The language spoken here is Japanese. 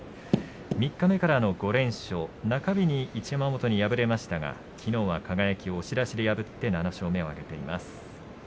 三日目からの５連勝中日に一山本に敗れましたがきのうは輝を押し出しで破って７勝目を挙げました。